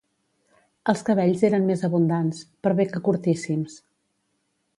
Els cabells eren més abundants, per bé que curtíssims.